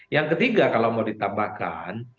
yang ketiga kalau mau ditambahkan